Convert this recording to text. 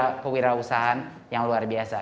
ada kewirausahaan yang luar biasa